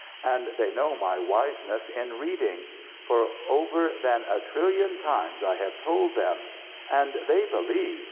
And they know my wiseness in reading. For over than a trillion times I have told them. And they believe.